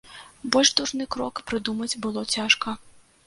Больш дурны крок прыдумаць было цяжка.